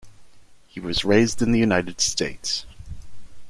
He was raised in the United States.